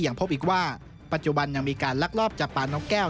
ยังพบอีกว่าปัจจุบันยังมีการลักลอบจับปลานกแก้ว